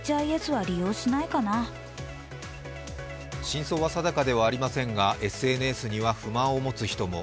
真相は定かではありませんがＳＮＳには不満を持つ人も。